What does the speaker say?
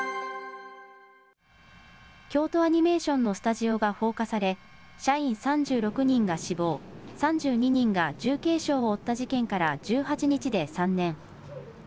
京都アニメーションのスタジオが放火され、社員３６人が死亡、３２人が重軽傷を負った事件から１８日で３年。